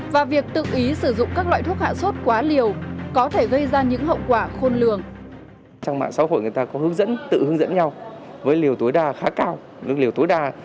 và việc tự ý sử dụng các loại thuốc hạ sốt giảm đau